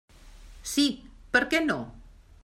Sí, per què no?